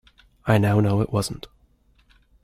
I now know it wasn't.